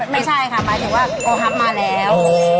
ไม่ใช่ค่ะหมายถึงว่า